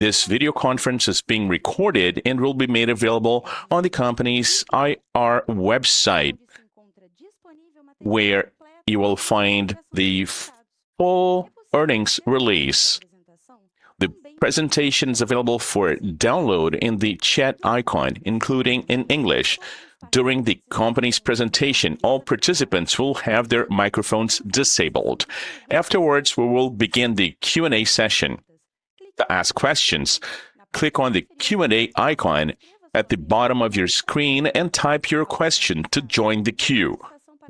This video conference is being recorded and will be made available on the company's IR website, where you will find the full earnings release. The presentation is available for download in the chat icon, including in English. During the company's presentation, all participants will have their microphones disabled. Afterwards, we will begin the Q&A session. To ask questions, click on the Q&A icon at the bottom of your screen and type your question to join the queue.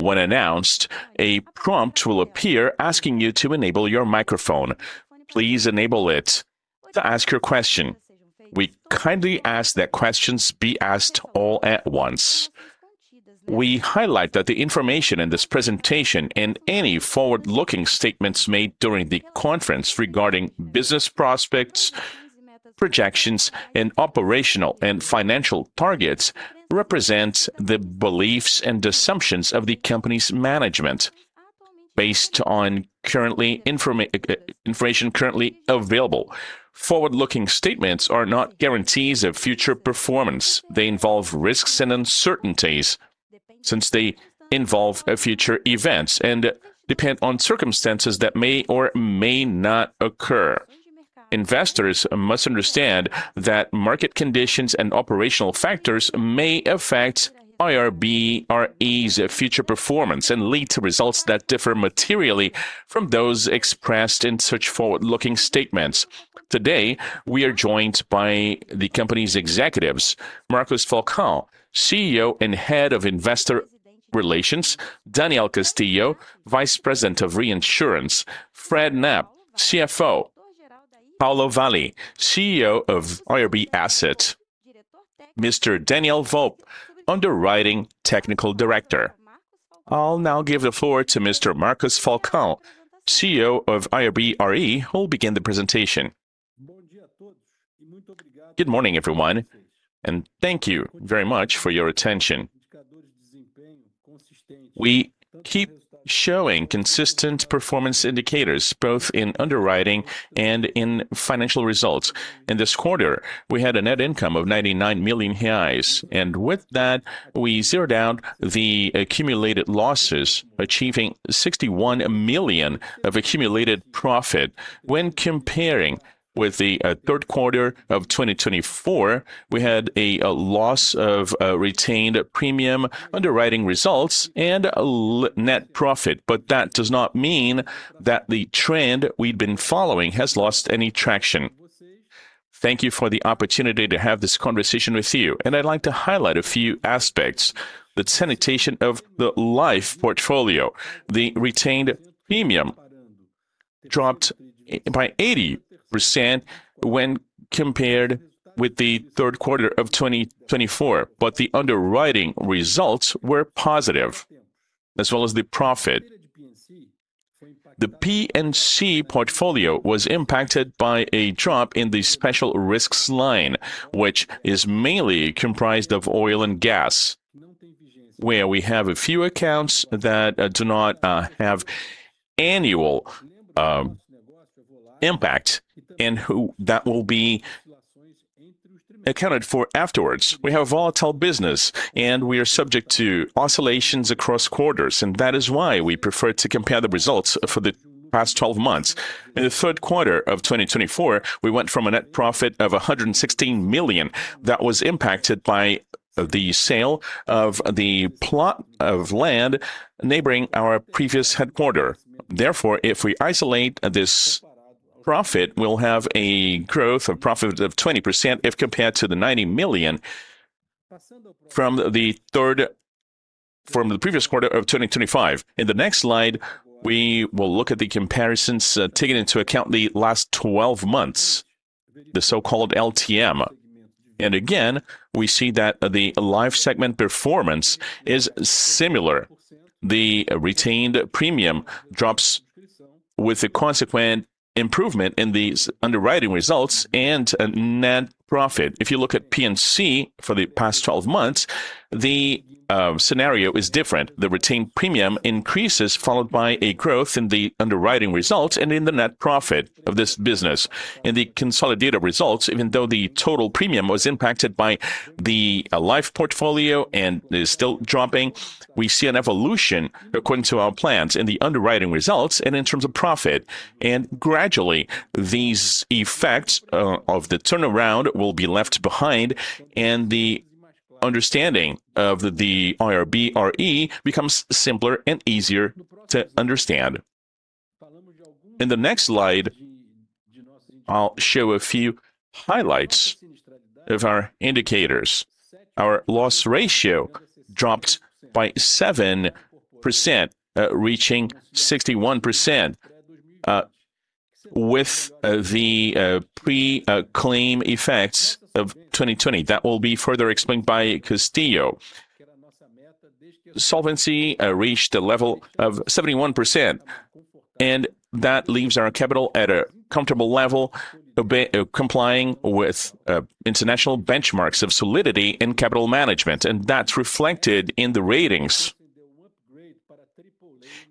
When announced, a prompt will appear asking you to enable your microphone. Please enable it to ask your question. We kindly ask that questions be asked all at once. We highlight that the information in this presentation and any forward-looking statements made during the conference regarding business prospects, projections, and operational and financial targets represent the beliefs and assumptions of the company's management. Based on information currently available, forward-looking statements are not guarantees of future performance. They involve risks and uncertainties since they involve future events and depend on circumstances that may or may not occur. Investors must understand that market conditions and operational factors may affect IRB-RE's future performance and lead to results that differ materially from those expressed in such forward-looking statements. Today, we are joined by the company's executives, Marcos Falcao, CEO and Head of Investor Relations; Daniel Castillo, Vice President of Reinsurance; Fred Knapp, CFO; Paulo Valé, CEO of IRB Asset; Mr. Daniel Volpi, Underwriting Technical Director. I'll now give the floor to Mr. Marcos Falcao, CEO of IRB-RE, who will begin the presentation. Bom dia a todos. Good morning, everyone, and thank you very much for your attention. We keep showing consistent performance indicators, both in underwriting and in financial results. In this quarter, we had a net income of 99 million reais, and with that, we zeroed out the accumulated losses, achieving 61 million of accumulated profit. When comparing with the third quarter of 2024, we had a loss of retained premium, underwriting results, and net profit, but that does not mean that the trend we have been following has lost any traction. Thank you for the opportunity to have this conversation with you, and I would like to highlight a few aspects. The sanitation of the life portfolio, the retained premium, dropped by 80% when compared with the third quarter of 2024, but the underwriting results were positive, as well as the profit. The P&C portfolio was impacted by a drop in the special risks line, which is mainly comprised of oil and gas, where we have a few accounts that do not have annual impact, and that will be accounted for afterwards. We have a volatile business, and we are subject to oscillations across quarters, and that is why we prefer to compare the results for the past 12 months. In the third quarter of 2024, we went from a net profit of 116 million that was impacted by the sale of the plot of land neighboring our previous headquarter. Therefore, if we isolate this profit, we'll have a growth of profit of 20% if compared to the 90 million from the previous quarter of 2024. In the next slide, we will look at the comparisons taking into account the last 12 months, the so-called LTM. Again, we see that the life segment performance is similar. The retained premium drops with a consequent improvement in the underwriting results and net profit. If you look at P&C for the past 12 months, the scenario is different. The retained premium increases, followed by a growth in the underwriting results and in the net profit of this business. In the consolidated results, even though the total premium was impacted by the life portfolio and is still dropping, we see an evolution according to our plans in the underwriting results and in terms of profit. Gradually, these effects of the turnaround will be left behind, and the understanding of IRB-RE becomes simpler and easier to understand. In the next slide, I'll show a few highlights of our indicators. Our loss ratio dropped by 7%, reaching 61% with the pre-claim effects of 2020. That will be further explained by Castillo. Solvency reached a level of 71%, and that leaves our capital at a comfortable level, complying with international benchmarks of solidity in capital management, and that is reflected in the ratings.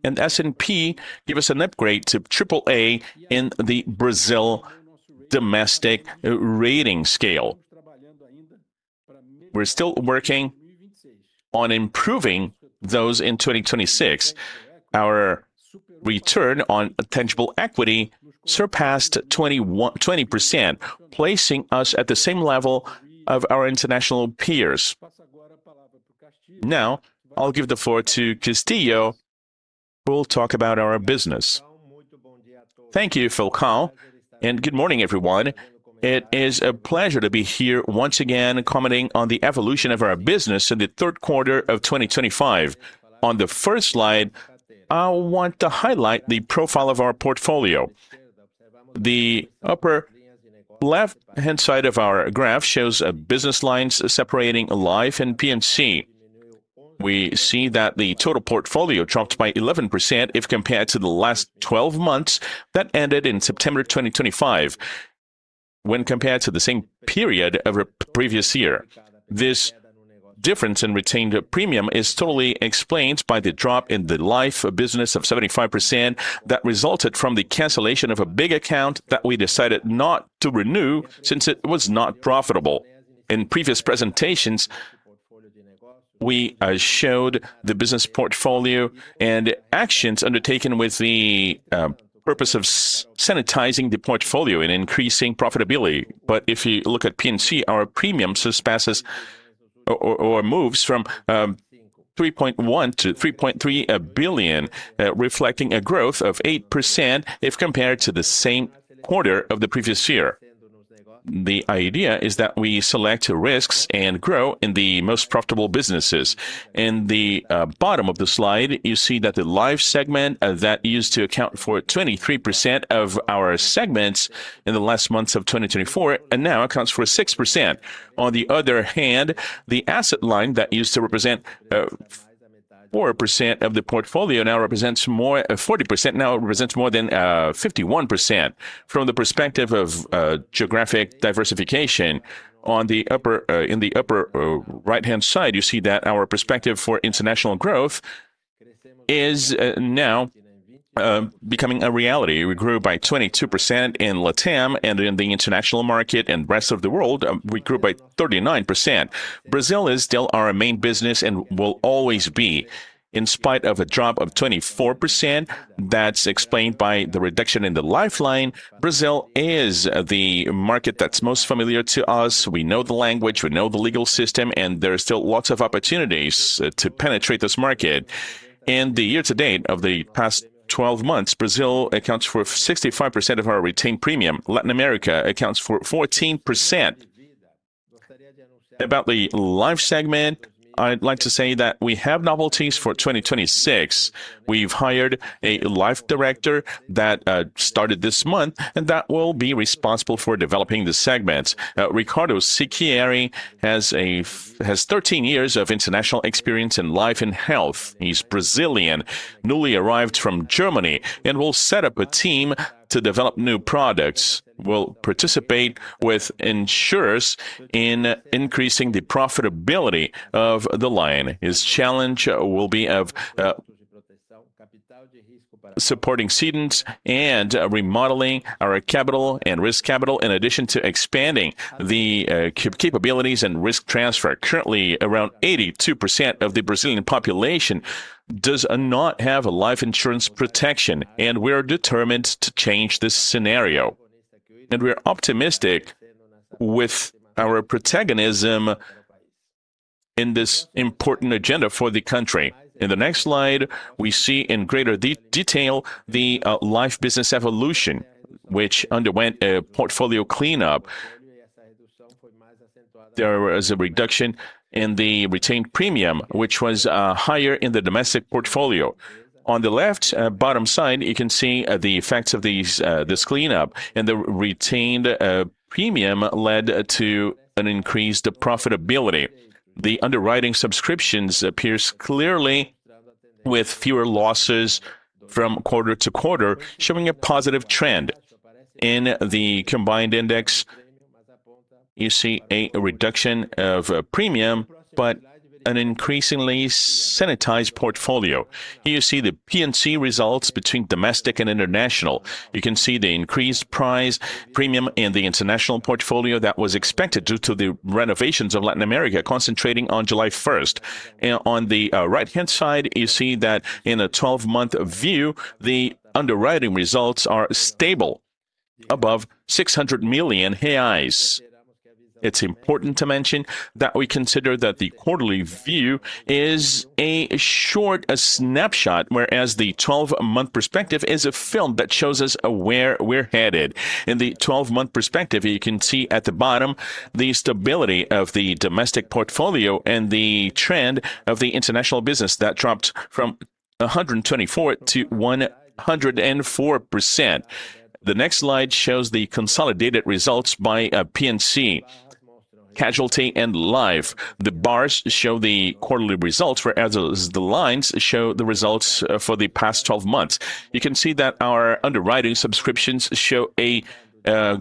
S&P gave us an upgrade to AAA in the Brazil domestic rating scale. We are still working on improving those in 2026. Our return on tangible equity surpassed 20%, placing us at the same level of our international peers. Now, I will give the floor to Castillo, who will talk about our business. Thank you, Falcao, and good morning, everyone. It is a pleasure to be here once again commenting on the evolution of our business in the third quarter of 2025. On the first slide, I want to highlight the profile of our portfolio. The upper left-hand side of our graph shows business lines separating life and P&C. We see that the total portfolio dropped by 11% if compared to the last 12 months that ended in September 2025, when compared to the same period of a previous year. This difference in retained premium is totally explained by the drop in the life business of 75% that resulted from the cancellation of a big account that we decided not to renew since it was not profitable. In previous presentations, we showed the business portfolio and actions undertaken with the purpose of sanitizing the portfolio and increasing profitability. If you look at P&C, our premium surpasses or moves from 3.1 billion to 3.3 billion, reflecting a growth of 8% if compared to the same quarter of the previous year. The idea is that we select risks and grow in the most profitable businesses. In the bottom of the slide, you see that the life segment that used to account for 23% of our segments in the last months of 2024 now accounts for 6%. On the other hand, the asset line that used to represent 4% of the portfolio now represents more than 40%, now it represents more than 51%. From the perspective of geographic diversification, in the upper right-hand side, you see that our perspective for international growth is now becoming a reality. We grew by 22% in LATAM and in the international market and rest of the world. We grew by 39%. Brazil is still our main business and will always be. In spite of a drop of 24%, that's explained by the reduction in the lifeline. Brazil is the market that's most familiar to us. We know the language, we know the legal system, and there are still lots of opportunities to penetrate this market. In the year to date of the past 12 months, Brazil accounts for 65% of our retained premium. Latin America accounts for 14%. About the life segment, I'd like to say that we have novelties for 2026. We've hired a Life Director that started this month and that will be responsible for developing the segments. Ricardo Siqueira has 13 years of international experience in life and health. He's Brazilian, newly arrived from Germany, and will set up a team to develop new products. We'll participate with insurers in increasing the profitability of the line. His challenge will be of supporting students and remodeling our capital and risk capital, in addition to expanding the capabilities and risk transfer. Currently, around 82% of the Brazilian population does not have life insurance protection, and we are determined to change this scenario. We are optimistic with our protagonism in this important agenda for the country. In the next slide, we see in greater detail the life business evolution, which underwent a portfolio cleanup. There was a reduction in the retained premium, which was higher in the domestic portfolio. On the left bottom side, you can see the effects of this cleanup, and the retained premium led to an increased profitability. The underwriting subscriptions appear clearly with fewer losses from quarter to quarter, showing a positive trend. In the combined index, you see a reduction of premium, but an increasingly sanitized portfolio. Here you see the P&C results between domestic and international. You can see the increased price premium in the international portfolio that was expected due to the renovations of Latin America, concentrating on July 1. On the right-hand side, you see that in a 12-month view, the underwriting results are stable above 600 million reais. It's important to mention that we consider that the quarterly view is a short snapshot, whereas the 12-month perspective is a film that shows us where we're headed. In the 12-month perspective, you can see at the bottom the stability of the domestic portfolio and the trend of the international business that dropped from 124%-104%. The next slide shows the consolidated results by P&C, casualty, and life. The bars show the quarterly results, whereas the lines show the results for the past 12 months. You can see that our underwriting subscriptions show a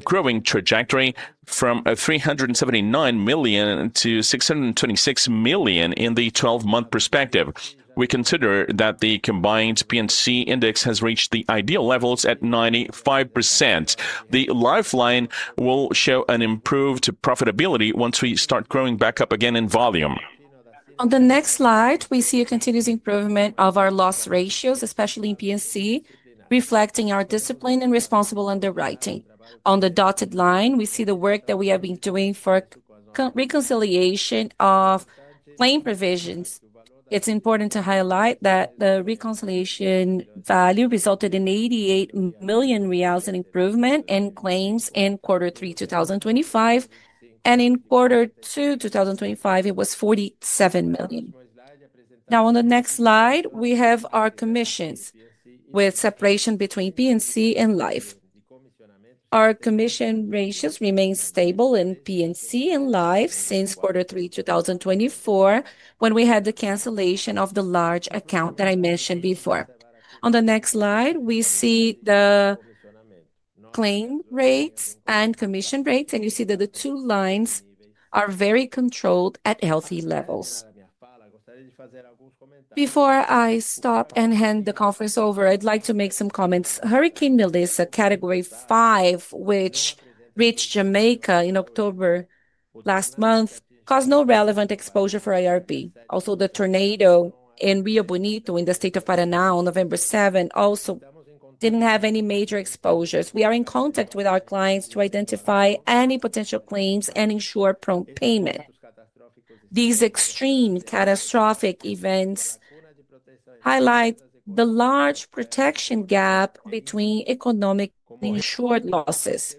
growing trajectory from 379 million-626 million in the 12-month perspective. We consider that the combined P&C index has reached the ideal levels at 95%. The lifeline will show an improved profitability once we start growing back up again in volume. On the next slide, we see a continuous improvement of our loss ratios, especially in P&C, reflecting our discipline and responsible underwriting. On the dotted line, we see the work that we have been doing for reconciliation of claim provisions. It's important to highlight that the reconciliation value resulted in 88 million reais in improvement in claims in quarter three 2025, and in quarter two 2025, it was 47 million. Now, on the next slide, we have our commissions with separation between P&C and life. Our commission ratios remain stable in P&C and life since quarter three 2024, when we had the cancellation of the large account that I mentioned before. On the next slide, we see the claim rates and commission rates, and you see that the two lines are very controlled at healthy levels. Before I stop and hand the conference over, I'd like to make some comments. Hurricane Melissa, category five, which reached Jamaica in October last month, caused no relevant exposure for IRB-RE. Also, the tornado in Rio Bonito in the state of Paraná on November 7 also did not have any major exposures. We are in contact with our clients to identify any potential claims and ensure prompt payment. These extreme catastrophic events highlight the large protection gap between economically insured losses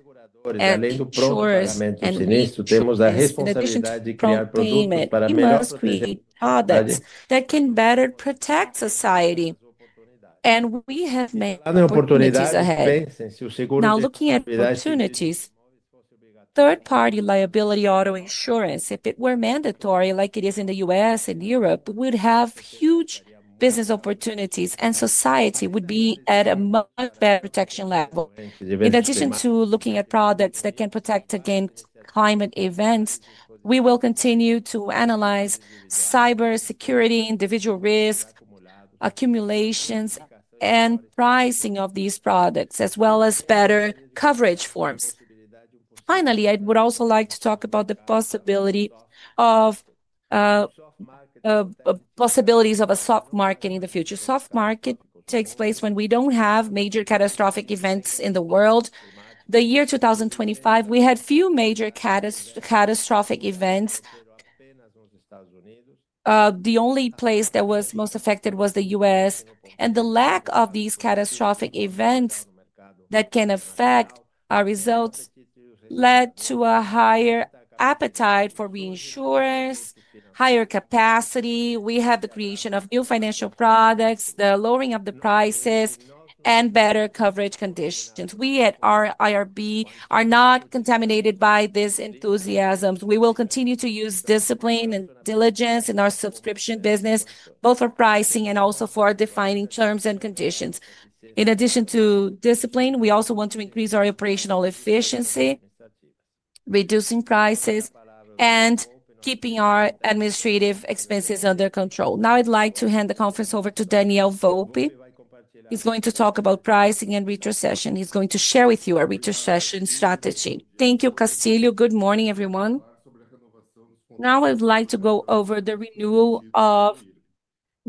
and insurers. In this situation, we have the ability to create products that can better protect society. We have many opportunities ahead. Now, looking at opportunities, third-party liability auto insurance, if it were mandatory like it is in the U.S. and Europe, would have huge business opportunities, and society would be at a much better protection level. In addition to looking at products that can protect against climate events, we will continue to analyze cybersecurity, individual risk accumulations, and pricing of these products, as well as better coverage forms. Finally, I would also like to talk about the possibilities of a soft market in the future. A soft market takes place when we do not have major catastrophic events in the world. The year 2025, we had a few major catastrophic events. The only place that was most affected was the U.S., and the lack of these catastrophic events that can affect our results led to a higher appetite for reinsurance, higher capacity. We have the creation of new financial products, the lowering of the prices, and better coverage conditions. We at IRB are not contaminated by this enthusiasm. We will continue to use discipline and diligence in our subscription business, both for pricing and also for defining terms and conditions. In addition to discipline, we also want to increase our operational efficiency, reducing prices, and keeping our administrative expenses under control. Now, I'd like to hand the conference over to Daniel Volpi. He's going to talk about pricing and retrocession. He's going to share with you our retrocession strategy. Thank you, Castillo. Good morning, everyone. Now, I'd like to go over the renewal of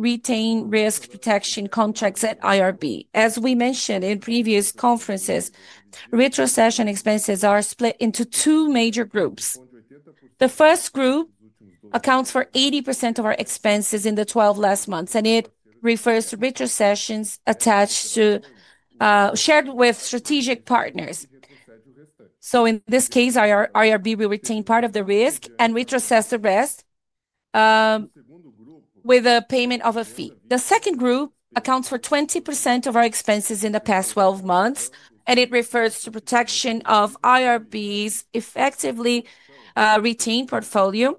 retained risk protection contracts at IRB-RE. As we mentioned in previous conferences, retrocession expenses are split into two major groups. The first group accounts for 80% of our expenses in the last 12 months, and it refers to retrocessions attached to, shared with, strategic partners. In this case, IRB will retain part of the risk and retrocess the rest with a payment of a fee. The second group accounts for 20% of our expenses in the past 12 months, and it refers to protection of IRB's effectively retained portfolio.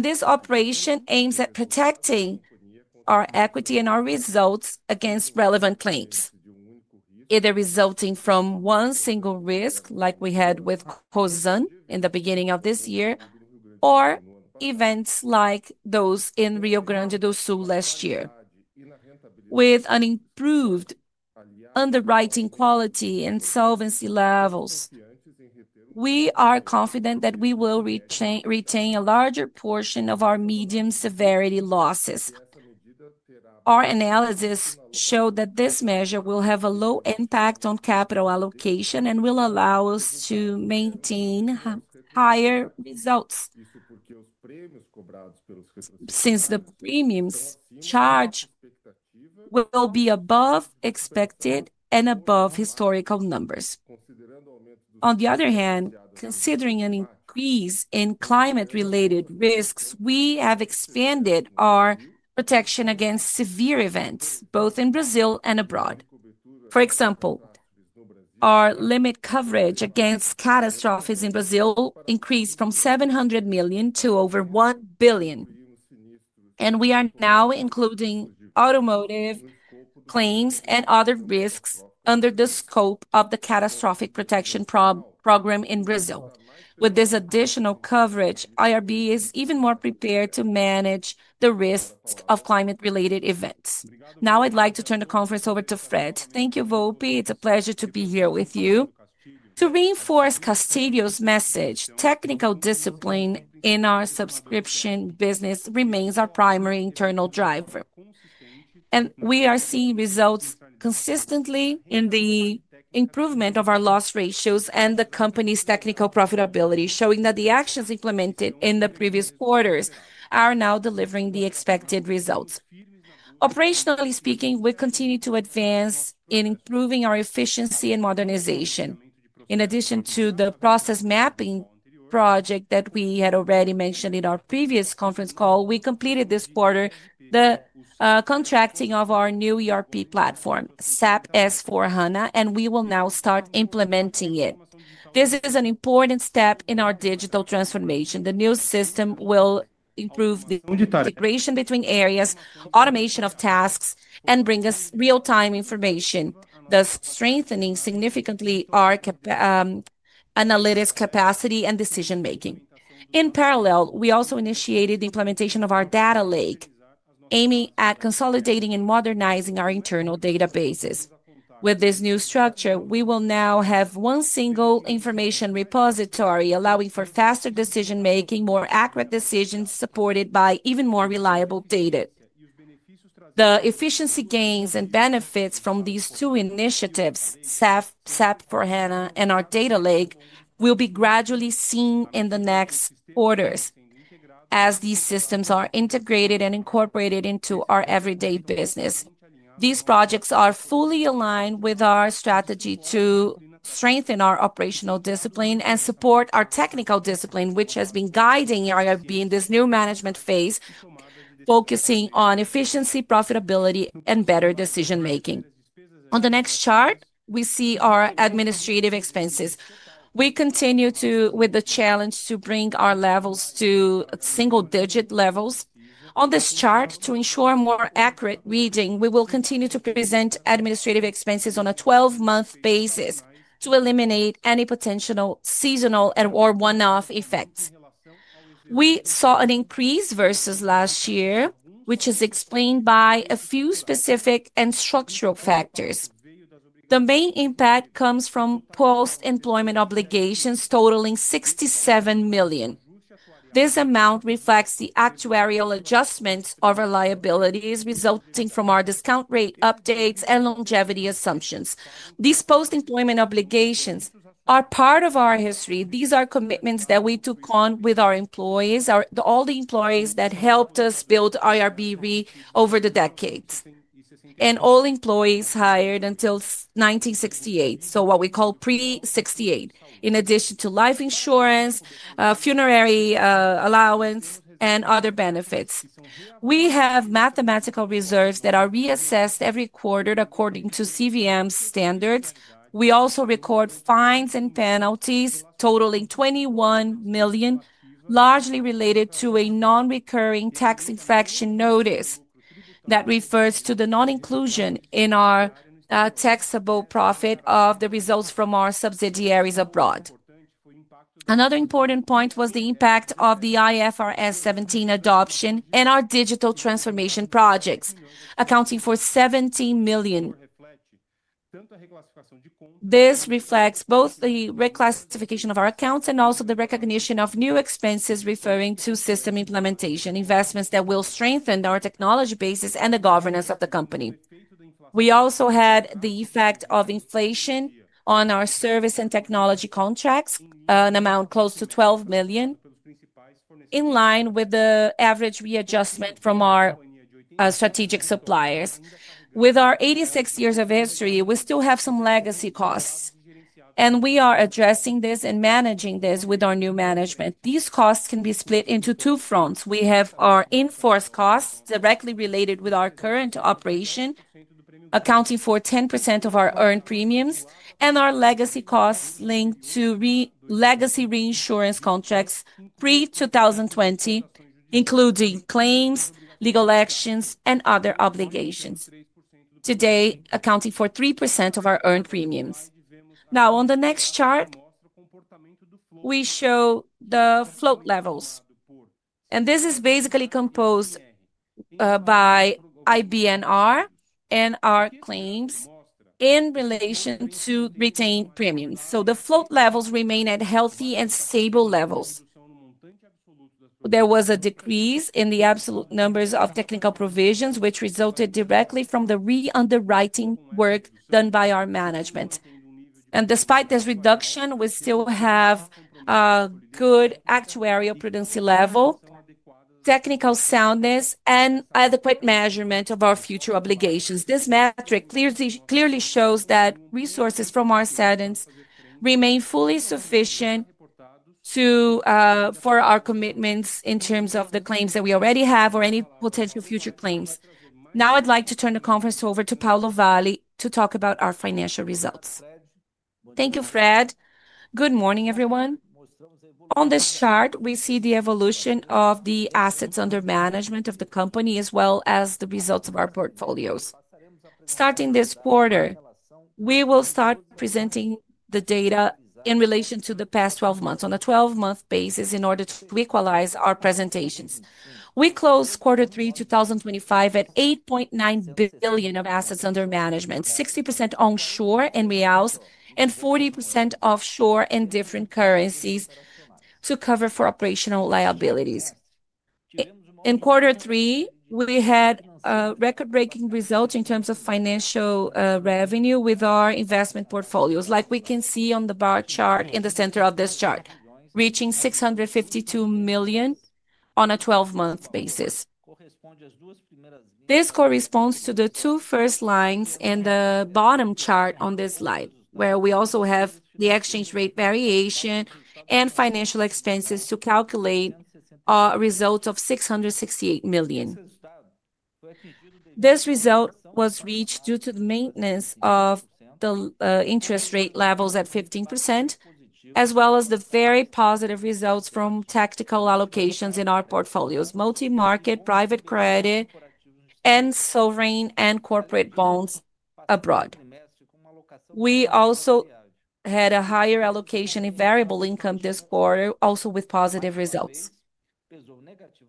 This operation aims at protecting our equity and our results against relevant claims, either resulting from one single risk like we had with COSAN in the beginning of this year or events like those in Rio Grande do Sul last year. With an improved underwriting quality and solvency levels, we are confident that we will retain a larger portion of our medium severity losses. Our analysis showed that this measure will have a low impact on capital allocation and will allow us to maintain higher results since the premiums charged will be above expected and above historical numbers. On the other hand, considering an increase in climate-related risks, we have expanded our protection against severe events both in Brazil and abroad. For example, our limit coverage against catastrophes in Brazil increased from 700 million to over 1 billion. We are now including automotive claims and other risks under the scope of the catastrophic protection program in Brazil. With this additional coverage, IRB is even more prepared to manage the risk of climate-related events. Now, I'd like to turn the conference over to Fred. Thank you, Volpi. It's a pleasure to be here with you. To reinforce Castillo's message, technical discipline in our subscription business remains our primary internal driver. We are seeing results consistently in the improvement of our loss ratios and the company's technical profitability, showing that the actions implemented in the previous quarters are now delivering the expected results. Operationally speaking, we continue to advance in improving our efficiency and modernization. In addition to the process mapping project that we had already mentioned in our previous conference call, we completed this quarter the contracting of our new ERP platform, SAP S/4HANA, and we will now start implementing it. This is an important step in our digital transformation. The new system will improve the integration between areas, automation of tasks, and bring us real-time information, thus strengthening significantly our analytics capacity and decision-making. In parallel, we also initiated the implementation of our data lake, aiming at consolidating and modernizing our internal databases. With this new structure, we will now have one single information repository allowing for faster decision-making, more accurate decisions supported by even more reliable data. The efficiency gains and benefits from these two initiatives, SAP S/4HANA and our data lake, will be gradually seen in the next quarters as these systems are integrated and incorporated into our everyday business. These projects are fully aligned with our strategy to strengthen our operational discipline and support our technical discipline, which has been guiding IRB in this new management phase, focusing on efficiency, profitability, and better decision-making. On the next chart, we see our administrative expenses. We continue with the challenge to bring our levels to single-digit levels. On this chart, to ensure more accurate reading, we will continue to present administrative expenses on a 12-month basis to eliminate any potential seasonal or one-off effects. We saw an increase versus last year, which is explained by a few specific and structural factors. The main impact comes from post-employment obligations totaling 67 million. This amount reflects the actuarial adjustments of our liabilities resulting from our discount rate updates and longevity assumptions. These post-employment obligations are part of our history. These are commitments that we took on with our employees, all the employees that helped us build IRB Brasil Resseguros over the decades, and all employees hired until 1968, so what we call pre-68, in addition to life insurance, funerary allowance, and other benefits. We have mathematical reserves that are reassessed every quarter according to CVM standards. We also record fines and penalties totaling 21 million, largely related to a non-recurring tax infraction notice that refers to the non-inclusion in our taxable profit of the results from our subsidiaries abroad. Another important point was the impact of the IFRS 17 adoption and our digital transformation projects, accounting for 17 million. This reflects both the reclassification of our accounts and also the recognition of new expenses referring to system implementation investments that will strengthen our technology basis and the governance of the company. We also had the effect of inflation on our service and technology contracts, an amount close to 12 million, in line with the average readjustment from our strategic suppliers. With our 86 years of history, we still have some legacy costs, and we are addressing this and managing this with our new management. These costs can be split into two fronts. We have our in-force costs directly related with our current operation, accounting for 10% of our earned premiums, and our legacy costs linked to legacy reinsurance contracts pre-2020, including claims, legal actions, and other obligations. Today, accounting for 3% of our earned premiums. Now, on the next chart, we show the float levels. This is basically composed by IBNR and our claims in relation to retained premiums. The float levels remain at healthy and stable levels. There was a decrease in the absolute numbers of technical provisions, which resulted directly from the re-underwriting work done by our management. Despite this reduction, we still have a good actuarial prudency level, technical soundness, and adequate measurement of our future obligations. This metric clearly shows that resources from our settings remain fully sufficient for our commitments in terms of the claims that we already have or any potential future claims. Now, I would like to turn the conference over to Paulo Valé to talk about our financial results. Thank you, Fred. Good morning, everyone. On this chart, we see the evolution of the assets under management of the company, as well as the results of our portfolios. Starting this quarter, we will start presenting the data in relation to the past 12 months on a 12-month basis in order to equalize our presentations. We closed quarter three 2025 at 8.9 billion of assets under management, 60% onshore in BRL, and 40% offshore in different currencies to cover for operational liabilities. In quarter three, we had record-breaking results in terms of financial revenue with our investment portfolios, like we can see on the bar chart in the center of this chart, reaching 652 million on a 12-month basis. This corresponds to the two first lines in the bottom chart on this slide, where we also have the exchange rate variation and financial expenses to calculate a result of 668 million. This result was reached due to the maintenance of the interest rate levels at 15%, as well as the very positive results from tactical allocations in our portfolios, multi-market, private credit, and sovereign and corporate bonds abroad. We also had a higher allocation in variable income this quarter, also with positive results.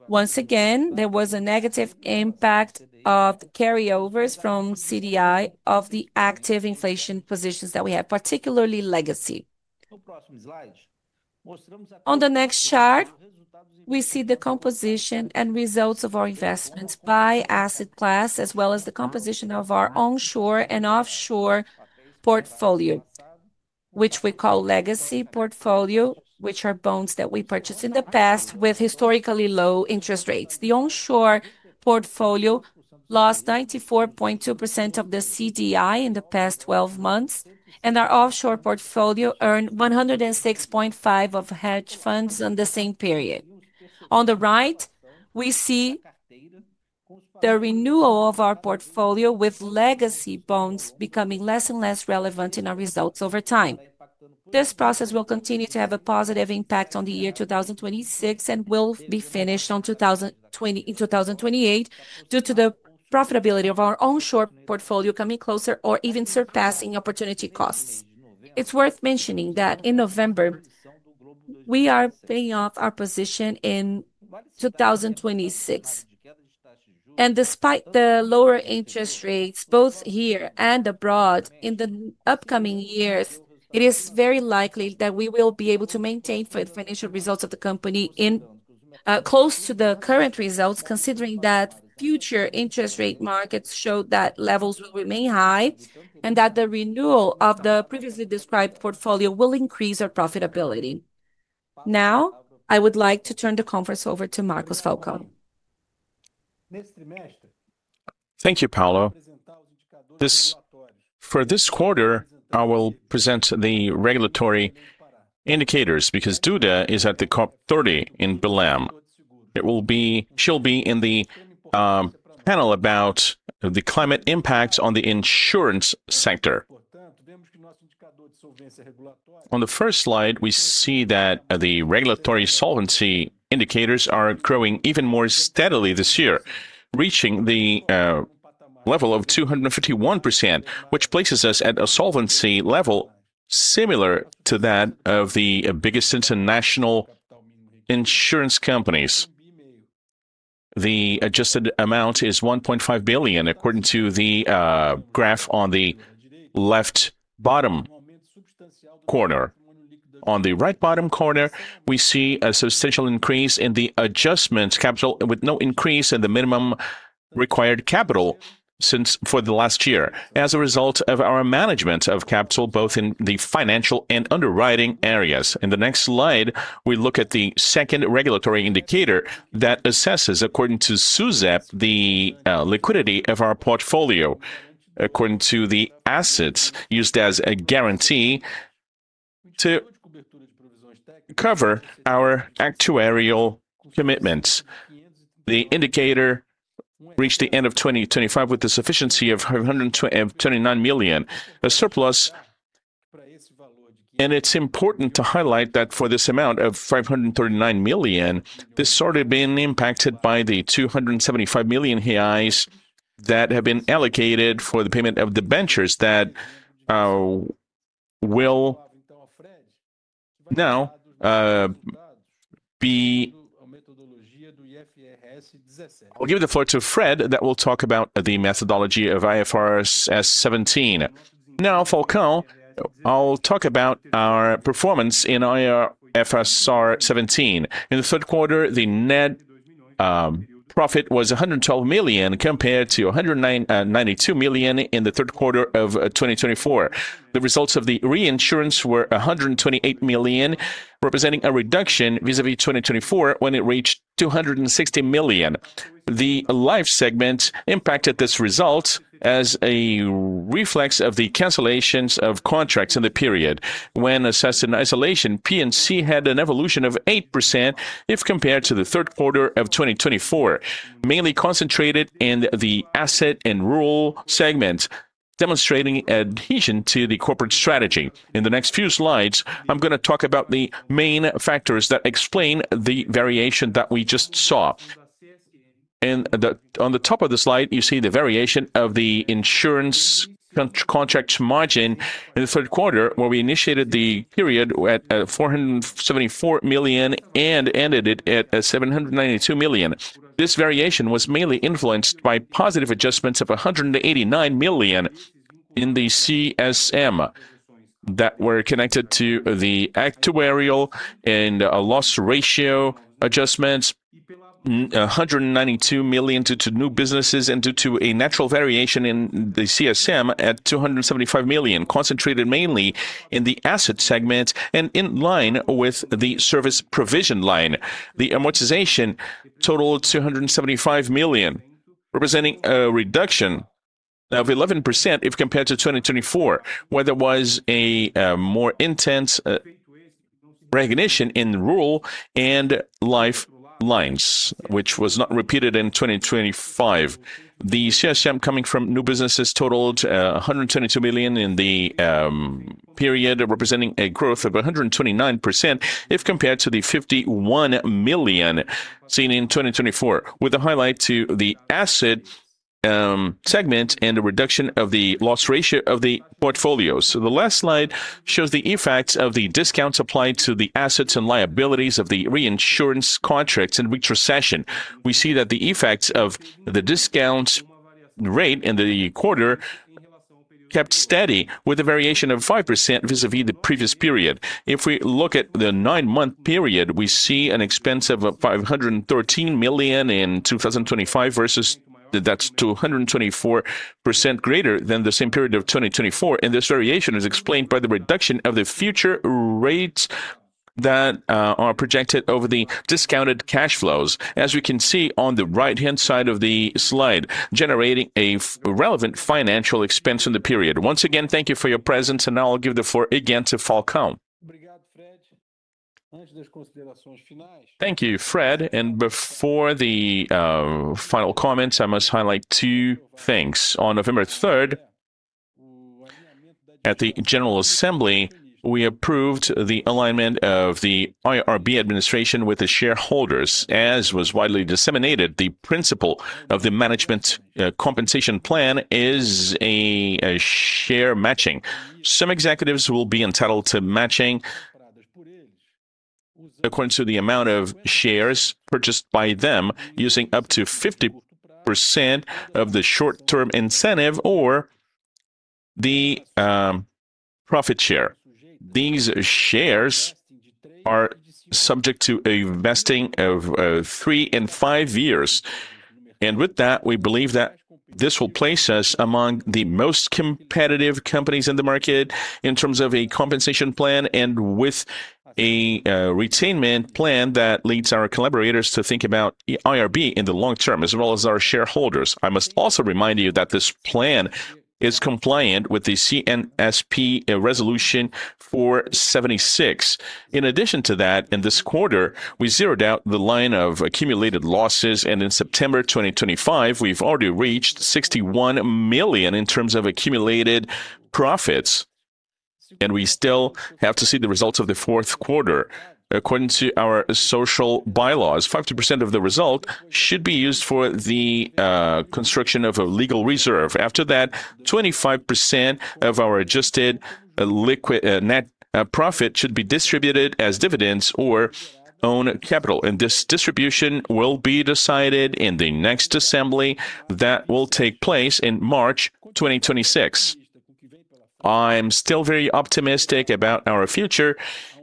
Once again, there was a negative impact of the carryovers from CDI of the active inflation positions that we had, particularly legacy. On the next chart, we see the composition and results of our investments by asset class, as well as the composition of our onshore and offshore portfolio, which we call legacy portfolio, which are bonds that we purchased in the past with historically low interest rates. The onshore portfolio lost 94.2% of the CDI in the past 12 months, and our offshore portfolio earned 106.5% of hedge funds in the same period. On the right, we see the renewal of our portfolio with legacy bonds becoming less and less relevant in our results over time. This process will continue to have a positive impact on the year 2026 and will be finished in 2028 due to the profitability of our onshore portfolio coming closer or even surpassing opportunity costs. It is worth mentioning that in November, we are paying off our position in 2026. Despite the lower interest rates both here and abroad in the upcoming years, it is very likely that we will be able to maintain financial results of the company close to the current results, considering that future interest rate markets show that levels will remain high and that the renewal of the previously described portfolio will increase our profitability. Now, I would like to turn the conference over to Marcos Falcão. Thank you, Paulo. For this quarter, I will present the regulatory indicators because Duda is at the COP30 in Belém. She'll be in the panel about the climate impacts on the insurance sector. On the first slide, we see that the regulatory solvency indicators are growing even more steadily this year, reaching the level of 251%, which places us at a solvency level similar to that of the biggest international insurance companies. The adjusted amount is 1.5 billion, according to the graph on the left bottom corner. On the right bottom corner, we see a substantial increase in the adjustment capital, with no increase in the minimum required capital since for the last year, as a result of our management of capital both in the financial and underwriting areas. In the next slide, we look at the second regulatory indicator that assesses, according to SUSEP, the liquidity of our portfolio, according to the assets used as a guarantee to cover our actuarial commitments. The indicator reached the end of 2025 with a sufficiency of 539 million, a surplus. It is important to highlight that for this amount of 539 million, this has already been impacted by the 275 million reais that have been allocated for the payment of the ventures. Now I will give the floor to Fred, who will talk about the methodology of IFRS 17. Now, Falcão, I will talk about our performance in IFRS 17. In the third quarter, the net profit was 112 million compared to 192 million in the third quarter of 2024. The results of the reinsurance were 128 million, representing a reduction vis-à-vis 2024 when it reached 260 million. The life segment impacted this result as a reflex of the cancellations of contracts in the period. When assessed in isolation, P&C had an evolution of 8% if compared to the third quarter of 2024, mainly concentrated in the asset and rural segments, demonstrating adhesion to the corporate strategy. In the next few slides, I'm going to talk about the main factors that explain the variation that we just saw. On the top of the slide, you see the variation of the insurance contract margin in the third quarter, where we initiated the period at 474 million and ended it at 792 million. This variation was mainly influenced by positive adjustments of 189 million in the CSM that were connected to the actuarial and loss ratio adjustments, 192 million due to new businesses and due to a natural variation in the CSM at 275 million, concentrated mainly in the asset segment and in line with the service provision line. The amortization totaled 275 million, representing a reduction of 11% if compared to 2024, where there was a more intense recognition in rural and life lines, which was not repeated in 2025. The CSM coming from new businesses totaled 122 million in the period, representing a growth of 129% if compared to the 51 million seen in 2024, with a highlight to the asset segment and a reduction of the loss ratio of the portfolios. The last slide shows the effects of the discounts applied to the assets and liabilities of the reinsurance contracts in retrocession. We see that the effects of the discount rate in the quarter kept steady, with a variation of 5% vis-à-vis the previous period. If we look at the nine-month period, we see an expense of 513 million in 2025 versus that's 224% greater than the same period of 2024. This variation is explained by the reduction of the future rates that are projected over the discounted cash flows, as we can see on the right-hand side of the slide, generating a relevant financial expense in the period. Once again, thank you for your presence, and I'll give the floor again to Falcão. Thank you, Fred. Before the final comments, I must highlight two things. On November 3rd, at the General Assembly, we approved the alignment of the IRB administration with the shareholders, as was widely disseminated. The principle of the management compensation plan is a share matching. Some executives will be entitled to matching according to the amount of shares purchased by them, using up to 50% of the short-term incentive or the profit share. These shares are subject to vesting of three and five years. With that, we believe that this will place us among the most competitive companies in the market in terms of a compensation plan and with a retainment plan that leads our collaborators to think about IRB in the long term, as well as our shareholders. I must also remind you that this plan is compliant with the CNSP Resolution 476. In addition to that, in this quarter, we zeroed out the line of accumulated losses, and in September 2025, we've already reached 61 million in terms of accumulated profits. We still have to see the results of the fourth quarter. According to our social bylaws, 50% of the result should be used for the construction of a legal reserve. After that, 25% of our adjusted net profit should be distributed as dividends or own capital. This distribution will be decided in the next assembly that will take place in March 2026. I'm still very optimistic about our future,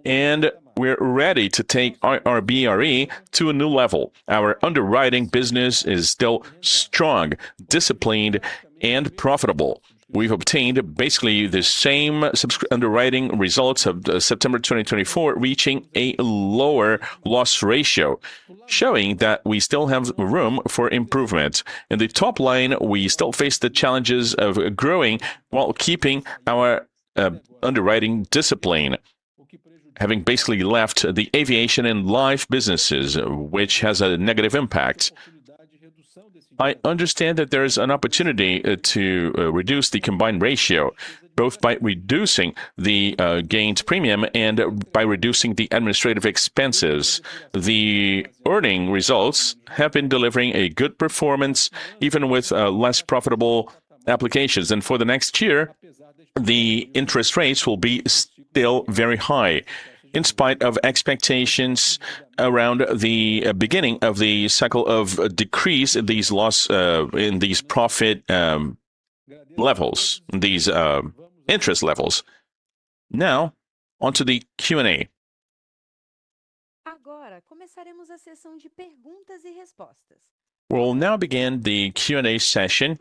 and we're ready to take IRB-RE to a new level. Our underwriting business is still strong, disciplined, and profitable. We've obtained basically the same underwriting results of September 2024, reaching a lower loss ratio, showing that we still have room for improvement. In the top line, we still face the challenges of growing while keeping our underwriting discipline, having basically left the aviation and life businesses, which has a negative impact. I understand that there is an opportunity to reduce the combined ratio, both by reducing the earned premium and by reducing the administrative expenses. The earning results have been delivering a good performance, even with less profitable applications. For the next year, the interest rates will be still very high, in spite of expectations around the beginning of the cycle of decrease in these profit levels, these interest levels. Now, onto the Q&A. We'll now begin the Q&A session.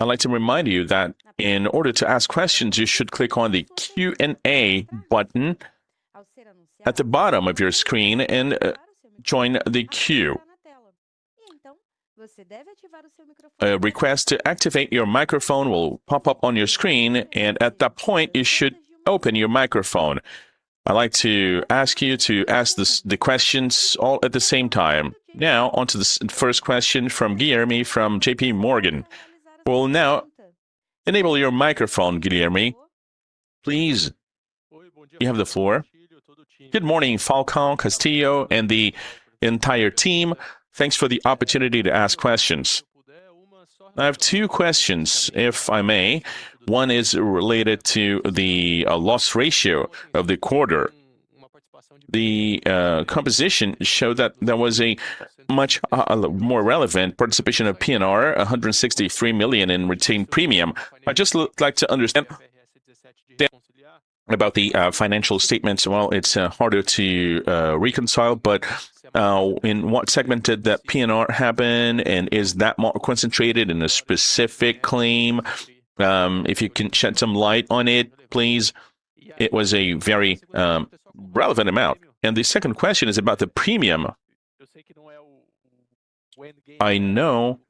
I'd like to remind you that in order to ask questions, you should click on the Q&A button at the bottom of your screen and join the queue. A request to activate your microphone will pop up on your screen, and at that point, you should open your microphone. I'd like to ask you to ask the questions all at the same time. Now, onto the first question from Guilherme from J.P. Morgan. We'll now enable your microphone, Guilherme. Please, you have the floor. Good morning, Falcão, Castillo, and the entire team. Thanks for the opportunity to ask questions. I have two questions, if I may. One is related to the loss ratio of the quarter. The composition showed that there was a much more relevant participation of P&R, 163 million in retained premium. I'd just like to understand about the financial statements. It's harder to reconcile, but in what segment did that P&R happen, and is that more concentrated in a specific claim? If you can shed some light on it, please. It was a very relevant amount. The second question is about the premium. I know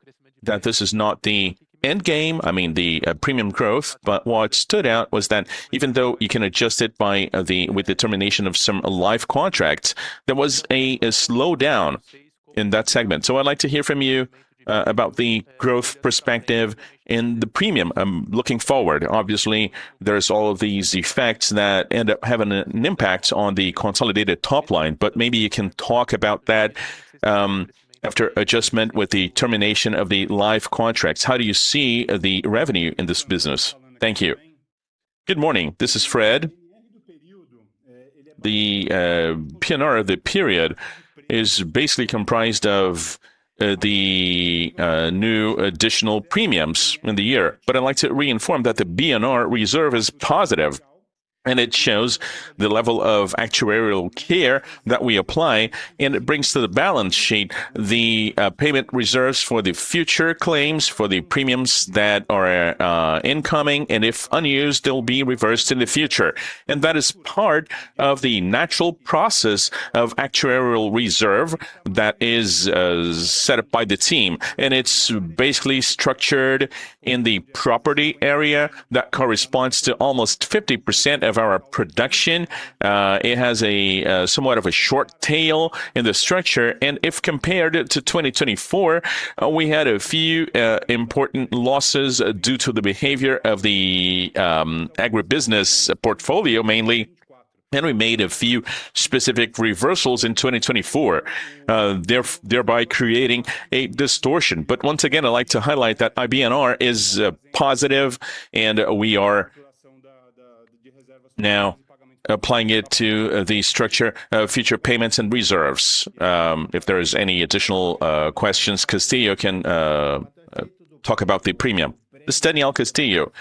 that this is not the end game, I mean the premium growth, but what stood out was that even though you can adjust it by the termination of some life contracts, there was a slowdown in that segment. I would like to hear from you about the growth perspective in the premium. I am looking forward. Obviously, there are all of these effects that end up having an impact on the consolidated top line, but maybe you can talk about that after adjustment with the termination of the life contracts. How do you see the revenue in this business? Thank you. Good morning. This is Fred. The P&R of the period is basically comprised of the new additional premiums in the year. I would like to reinform that the IBNR reserve is positive, and it shows the level of actuarial care that we apply, and it brings to the balance sheet the payment reserves for the future claims for the premiums that are incoming, and if unused, they will be reversed in the future. That is part of the natural process of actuarial reserve that is set up by the team. It is basically structured in the property area that corresponds to almost 50% of our production. It has somewhat of a short tail in the structure. If compared to 2024, we had a few important losses due to the behavior of the agribusiness portfolio mainly. We made a few specific reversals in 2024, thereby creating a distortion. Once again, I'd like to highlight that IBNR is positive, and we are now applying it to the structure of future payments and reserves. If there are any additional questions, Castillo can talk about the premium. Daniel Castillo,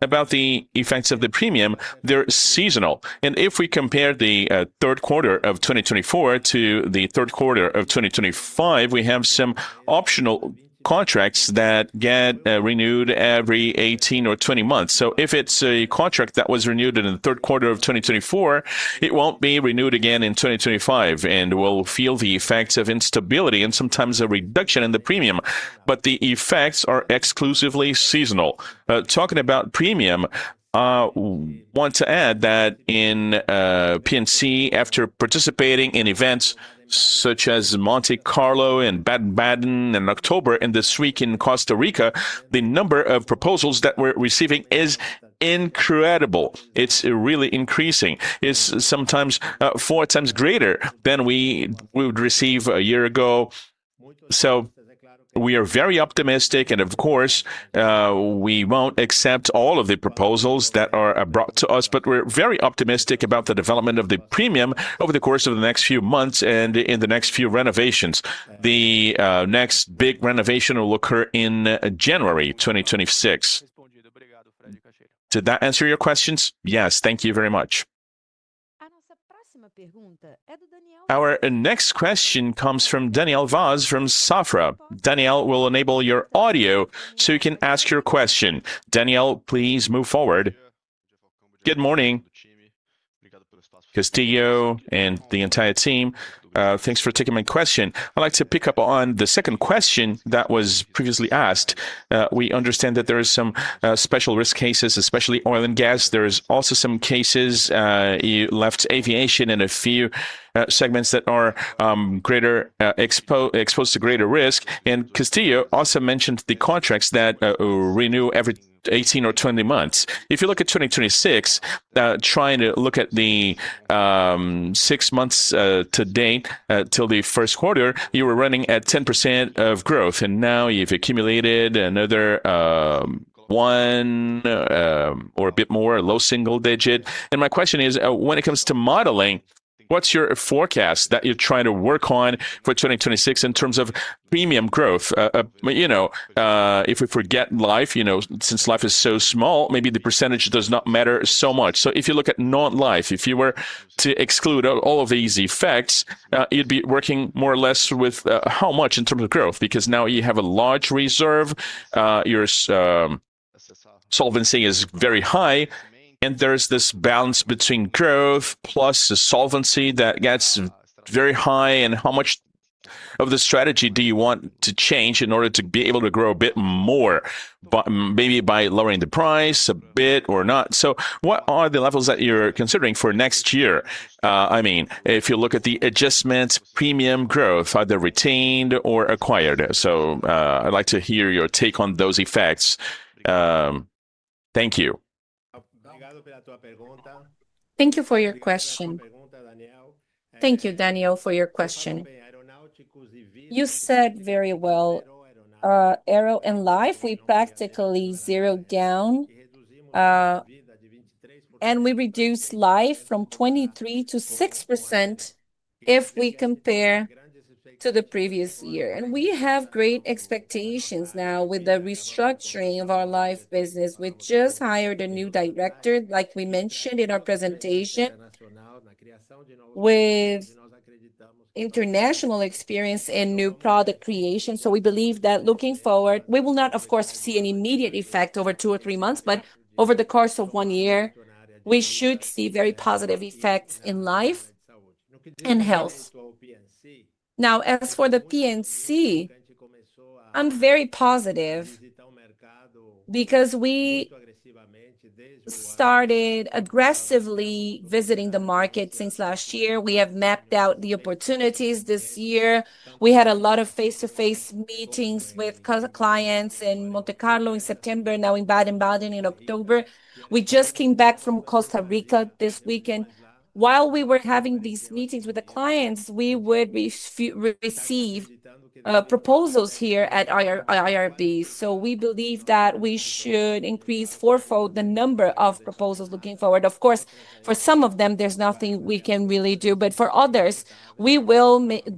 about the effects of the premium, they're seasonal. If we compare the third quarter of 2024 to the third quarter of 2025, we have some optional contracts that get renewed every 18 or 20 months. If it's a contract that was renewed in the third quarter of 2024, it won't be renewed again in 2025, and we'll feel the effects of instability and sometimes a reduction in the premium. The effects are exclusively seasonal. Talking about premium, I want to add that in P&C, after participating in events such as Monte Carlo and Baden-Baden in October and this week in Costa Rica, the number of proposals that we're receiving is incredible. It's really increasing. It's sometimes four times greater than we would receive a year ago. We are very optimistic, and of course, we won't accept all of the proposals that are brought to us, but we're very optimistic about the development of the premium over the course of the next few months and in the next few renovations. The next big renovation will occur in January 2026. Did that answer your questions? Yes, thank you very much. Our next question comes from Daniel Vaz from Banco Safra. Daniel, we'll enable your audio so you can ask your question. Daniel, please move forward. Good morning, Castillo and the entire team. Thanks for taking my question. I'd like to pick up on the second question that was previously asked. We understand that there are some special risk cases, especially oil and gas. There are also some cases you left aviation in a few segments that are exposed to greater risk. And Castillo also mentioned the contracts that renew every 18 or 20 months. If you look at 2026, trying to look at the six months to date till the first quarter, you were running at 10% of growth, and now you've accumulated another one or a bit more, a low single digit. My question is, when it comes to modeling, what's your forecast that you're trying to work on for 2026 in terms of premium growth? You know, if we forget life, you know, since life is so small, maybe the percentage does not matter so much. If you look at non-life, if you were to exclude all of these effects, you'd be working more or less with how much in terms of growth? Because now you have a large reserve, your solvency is very high, and there's this balance between growth plus the solvency that gets very high. How much of the strategy do you want to change in order to be able to grow a bit more, maybe by lowering the price a bit or not? What are the levels that you're considering for next year? I mean, if you look at the adjustment premium growth, either retained or acquired. I'd like to hear your take on those effects. Thank you. Thank you for your question. Thank you, Daniel, for your question. You said very well, Arrow and Life, we practically zeroed down and we reduced Life from 23% to 6% if we compare to the previous year. We have great expectations now with the restructuring of our Life business. We just hired a new director, like we mentioned in our presentation, with international experience and new product creation. We believe that looking forward, we will not, of course, see an immediate effect over two or three months, but over the course of one year, we should see very positive effects in Life and Health. Now, as for the P&C, I'm very positive because we started aggressively visiting the market since last year. We have mapped out the opportunities. This year, we had a lot of face-to-face meetings with clients in Monte Carlo in September, now in Baden-Baden in October. We just came back from Costa Rica this weekend. While we were having these meetings with the clients, we would receive proposals here at IRB. We believe that we should increase fourfold the number of proposals looking forward. Of course, for some of them, there is nothing we can really do, but for others, we will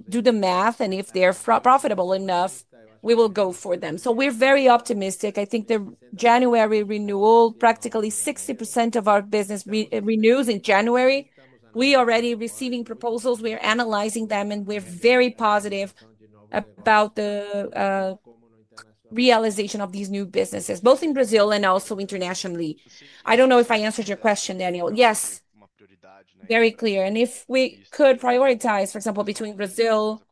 do the math, and if they are profitable enough, we will go for them. We are very optimistic. I think the January renewal, practically 60% of our business renews in January. We are already receiving proposals. We are analyzing them, and we are very positive about the realization of these new businesses, both in Brazil and also internationally. I do not know if I answered your question, Daniel. Yes, very clear. If we could prioritize, for example, between Brazil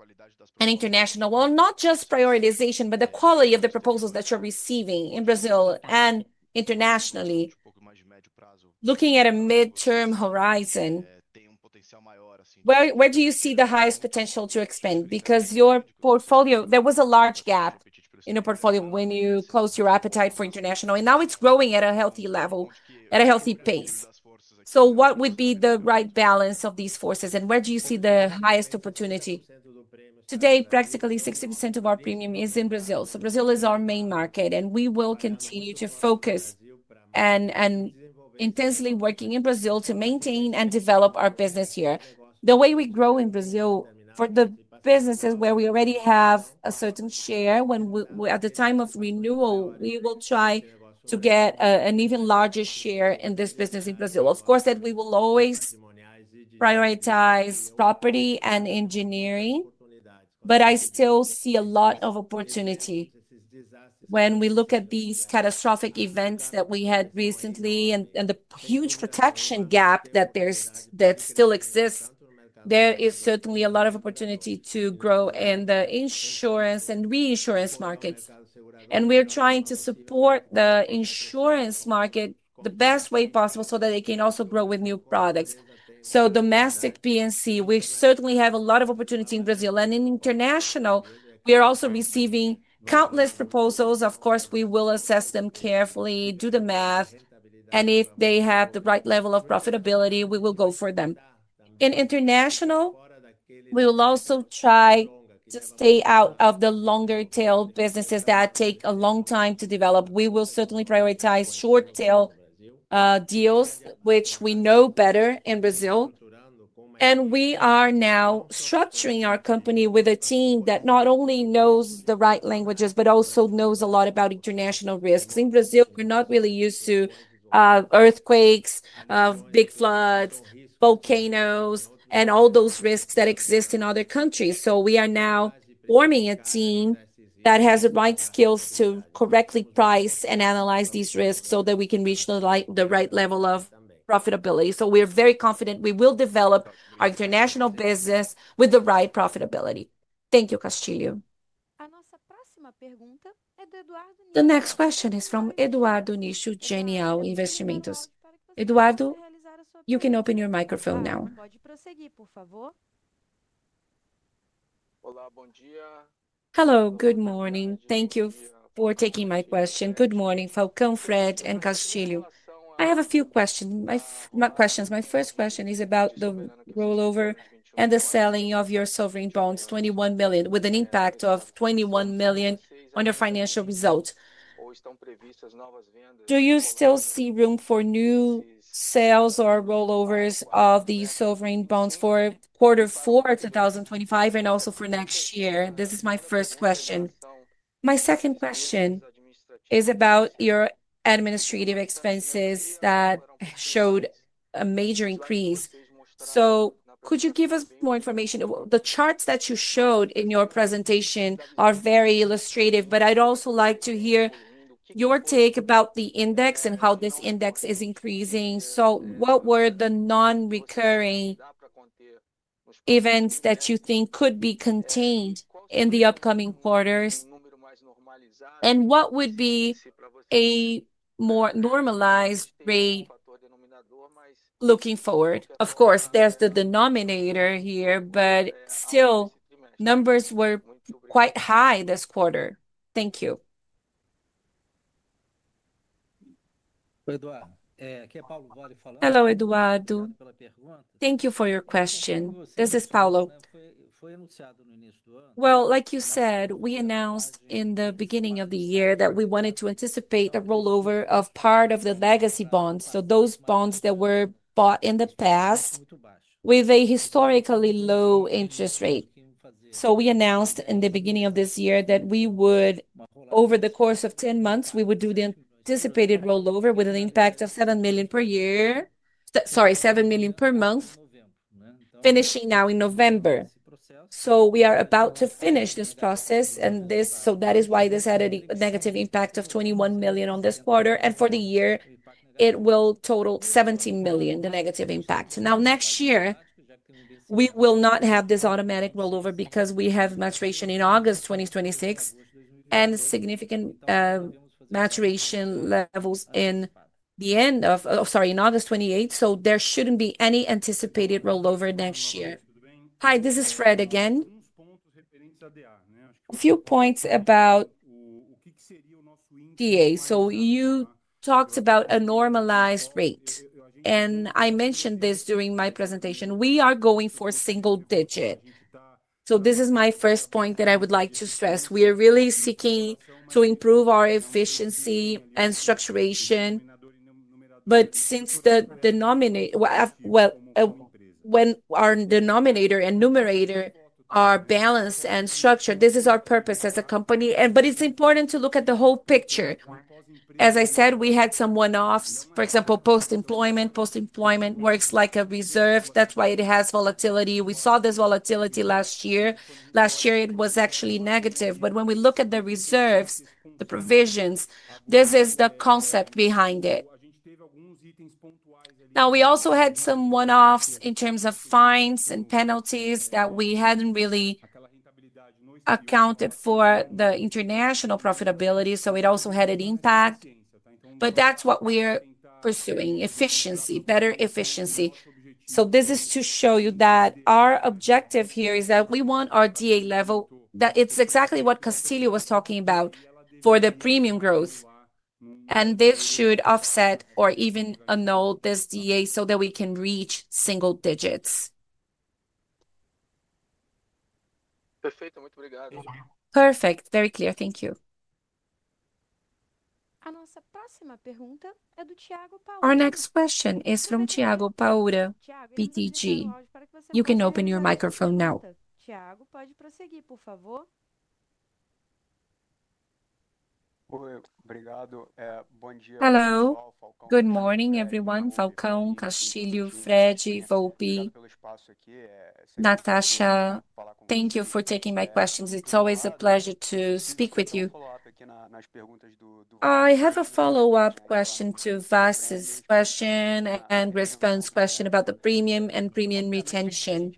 and international, not just prioritization, but the quality of the proposals that you're receiving in Brazil and internationally, looking at a mid-term horizon, where do you see the highest potential to expand? Because your portfolio, there was a large gap in your portfolio when you closed your appetite for international, and now it's growing at a healthy level, at a healthy pace. What would be the right balance of these forces, and where do you see the highest opportunity? Today, practically 60% of our premium is in Brazil. Brazil is our main market, and we will continue to focus and intensely work in Brazil to maintain and develop our business here. The way we grow in Brazil for the businesses where we already have a certain share, when at the time of renewal, we will try to get an even larger share in this business in Brazil. Of course, we will always prioritize property and engineering, but I still see a lot of opportunity. When we look at these catastrophic events that we had recently and the huge protection gap that still exists, there is certainly a lot of opportunity to grow in the insurance and reinsurance markets. We are trying to support the insurance market the best way possible so that they can also grow with new products. Domestic P&C, we certainly have a lot of opportunity in Brazil. In international, we are also receiving countless proposals. Of course, we will assess them carefully, do the math, and if they have the right level of profitability, we will go for them. In international, we will also try to stay out of the longer-tail businesses that take a long time to develop. We will certainly prioritize short-tail deals, which we know better in Brazil. We are now structuring our company with a team that not only knows the right languages, but also knows a lot about international risks. In Brazil, we're not really used to earthquakes, big floods, volcanoes, and all those risks that exist in other countries. We are now forming a team that has the right skills to correctly price and analyze these risks so that we can reach the right level of profitability. We're very confident we will develop our international business with the right profitability. Thank you, Castillo. The next question is from Eduardo Nicho Genial Investimentos. Eduardo, you can open your microphone now. Olá, bom dia. Hello, good morning. Thank you for taking my question. Good morning, Falcão, Fred, and Castillo. I have a few questions. My first question is about the rollover and the selling of your sovereign bonds, 21 million, with an impact of 21 million on your financial result. Do you still see room for new sales or rollovers of the sovereign bonds for quarter four of 2025 and also for next year? This is my first question. My second question is about your administrative expenses that showed a major increase. Could you give us more information? The charts that you showed in your presentation are very illustrative, but I would also like to hear your take about the index and how this index is increasing. What were the non-recurring events that you think could be contained in the upcoming quarters? What would be a more normalized rate looking forward? Of course, there is the denominator here, but still, numbers were quite high this quarter. Thank you. Hello, Eduardo. Thank you for your question. This is Paulo. Like you said, we announced in the beginning of the year that we wanted to anticipate the rollover of part of the legacy bonds, those bonds that were bought in the past with a historically low interest rate. We announced in the beginning of this year that we would, over the course of 10 months, do the anticipated rollover with an impact of 7 million per year, sorry, 7 million per month, finishing now in November. We are about to finish this process, and that is why this had a negative impact of 21 million on this quarter. For the year, it will total 17 million, the negative impact. Next year, we will not have this automatic rollover because we have maturation in August 2026 and significant maturation levels at the end of, sorry, in August 28. There should not be any anticipated rollover next year. Hi, this is Fred again. A few points about TA. You talked about a normalized rate, and I mentioned this during my presentation. We are going for single digit. This is my first point that I would like to stress. We are really seeking to improve our efficiency and structuration. Since the denominator, when our denominator and numerator are balanced and structured, this is our purpose as a company. But it's important to look at the whole picture. As I said, we had some one-offs, for example, post-employment. Post-employment works like a reserve. That's why it has volatility. We saw this volatility last year. Last year, it was actually negative. When we look at the reserves, the provisions, this is the concept behind it. We also had some one-offs in terms of fines and penalties that we hadn't really accounted for the international profitability. It also had an impact. That's what we're pursuing: efficiency, better efficiency. This is to show you that our objective here is that we want our DA level that it's exactly what Castillo was talking about for the premium growth. This should offset or even annul this DA so that we can reach single digits. Perfect, very clear, thank you. Our next question is from Tiago Paura, PTG. You can open your microphone now. Hello, good morning, everyone. Falcão, Castillo, Fred, Volpi, Natasha. Thank you for taking my questions. It's always a pleasure to speak with you. I have a follow-up question to Vasis. Question and response question about the premium and premium retention.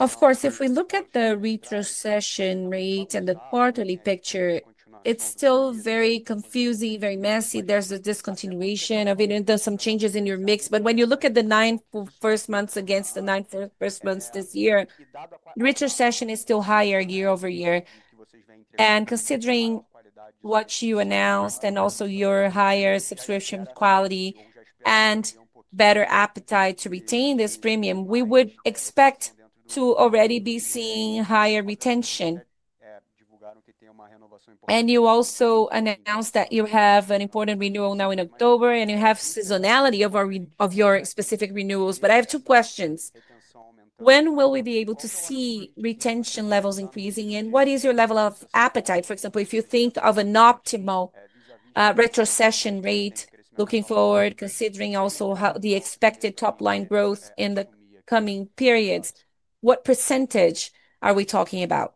Of course, if we look at the retrocession rate and the quarterly picture, it's still very confusing, very messy. There's a discontinuation of it and there's some changes in your mix. If you look at the ninth first months against the ninth first months this year, retrocession is still higher year-over-year. Considering what you announced and also your higher subscription quality and better appetite to retain this premium, we would expect to already be seeing higher retention. You also announced that you have an important renewal now in October and you have seasonality of your specific renewals. I have two questions. When will we be able to see retention levels increasing and what is your level of appetite? For example, if you think of an optimal retrocession rate looking forward, considering also the expected top-line growth in the coming periods, what percentage are we talking about?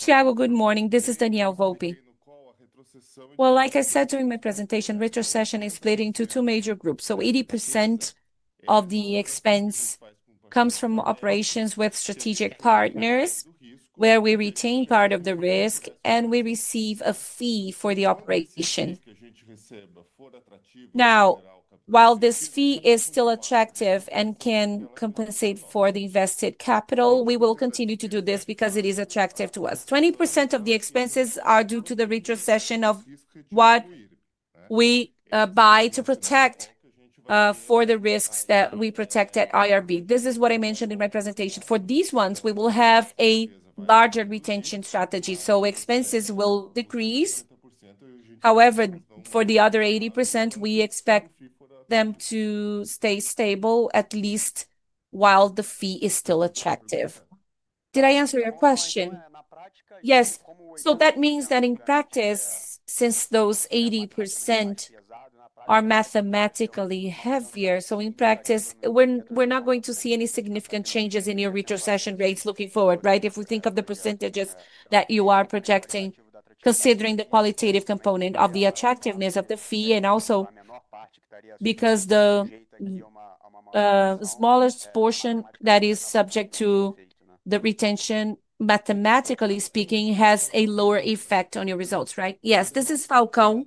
Tiago, good morning. This is Daniel Volpi. Like I said during my presentation, retrocession is split into two major groups. 80% of the expense comes from operations with strategic partners, where we retain part of the risk and we receive a fee for the operation. Now, while this fee is still attractive and can compensate for the invested capital, we will continue to do this because it is attractive to us. 20% of the expenses are due to the retrocession of what we buy to protect for the risks that we protect at IRB. This is what I mentioned in my presentation. For these ones, we will have a larger retention strategy. Expenses will decrease. However, for the other 80%, we expect them to stay stable at least while the fee is still attractive. Did I answer your question? Yes. That means that in practice, since those 80% are mathematically heavier, in practice, we're not going to see any significant changes in your retrocession rates looking forward, right? If we think of the percentages that you are projecting, considering the qualitative component of the attractiveness of the fee and also because the smallest portion that is subject to the retention, mathematically speaking, has a lower effect on your results, right? Yes, this is Falcão.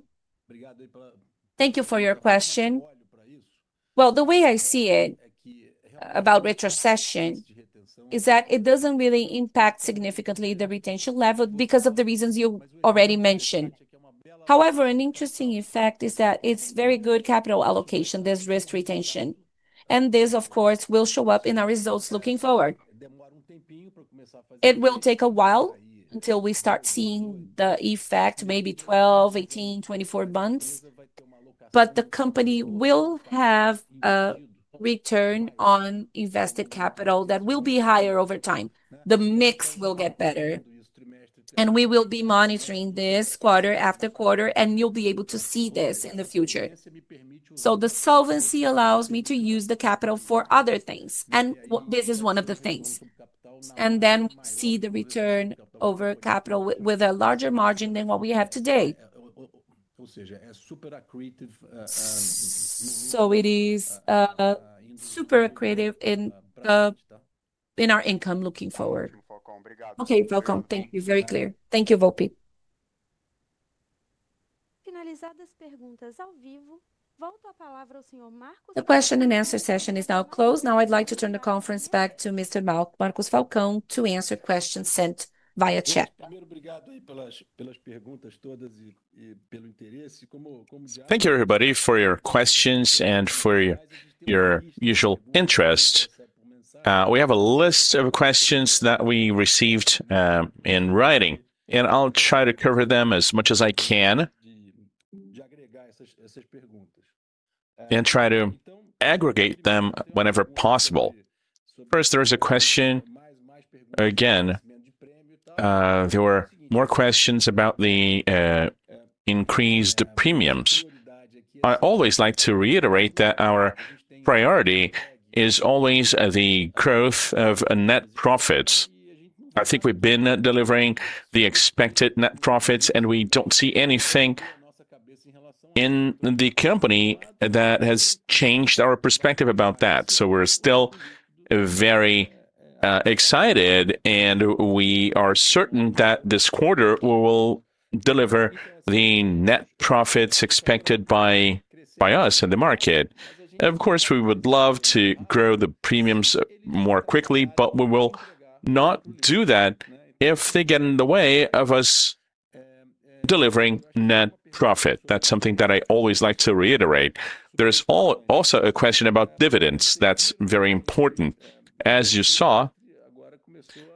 Thank you for your question. The way I see it about retrocession is that it does not really impact significantly the retention level because of the reasons you already mentioned. However, an interesting effect is that it is very good capital allocation, this risk retention. This, of course, will show up in our results looking forward. It will take a while until we start seeing the effect, maybe 12, 18, 24 months. The company will have a return on invested capital that will be higher over time. The mix will get better. We will be monitoring this quarter after quarter, and you will be able to see this in the future. The solvency allows me to use the capital for other things. This is one of the things. We see the return over capital with a larger margin than what we have today. It is super creative in our income looking forward. Okay, Falcão, thank you. Very clear. Thank you, Volpi. The question and answer session is now closed. Now I'd like to turn the conference back to Mr. Marcos Falcão to answer questions sent via chat. Thank you everybody for your questions and for your usual interest. We have a list of questions that we received in writing. I'll try to cover them as much as I can and try to aggregate them whenever possible. First, there's a question again. There were more questions about the increased premiums. I always like to reiterate that our priority is always the growth of net profits. I think we've been delivering the expected net profits, and we don't see anything in the company that has changed our perspective about that. We're still very excited, and we are certain that this quarter will deliver the net profits expected by us and the market. Of course, we would love to grow the premiums more quickly, but we will not do that if they get in the way of us delivering net profit. That's something that I always like to reiterate. There's also a question about dividends that's very important. As you saw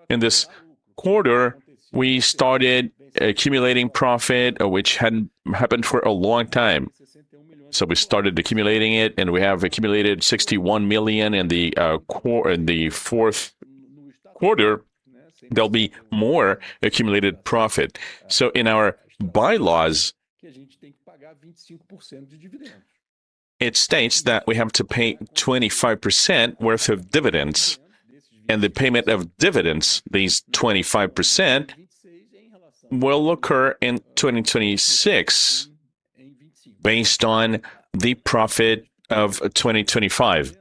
in this quarter, we started accumulating profit, which had not happened for a long time. We started accumulating it, and we have accumulated 61 million in the fourth quarter. There will be more accumulated profit. In our bylaws, it states that we have to pay 25% worth of dividends. The payment of dividends, these 25%, will occur in 2026 based on the profit of 2025.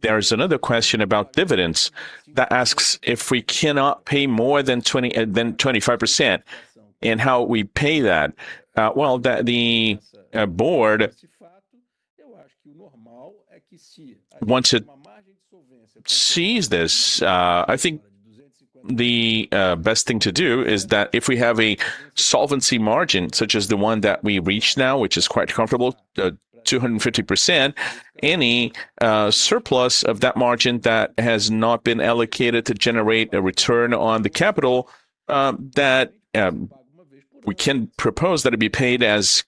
There's another question about dividends that asks if we cannot pay more than 25% and how we pay that. The board wants to see this. I think the best thing to do is that if we have a solvency margin such as the one that we reach now, which is quite comfortable, 250%, any surplus of that margin that has not been allocated to generate a return on the capital, that we can propose that it be paid as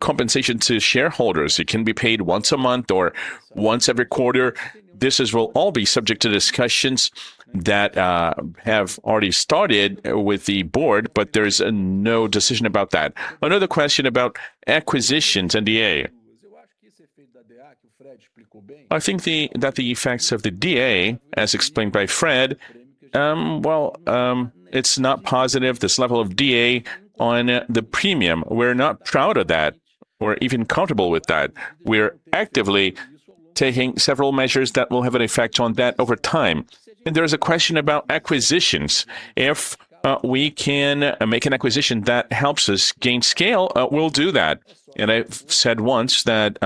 compensation to shareholders. It can be paid once a month or once every quarter. This will all be subject to discussions that have already started with the board, but there's no decision about that. Another question about acquisitions and DA. I think that the effects of the DA, as explained by Fred, it's not positive, this level of DA on the premium. We're not proud of that or even comfortable with that. We're actively taking several measures that will have an effect on that over time. There's a question about acquisitions. If we can make an acquisition that helps us gain scale, we'll do that. I've said once that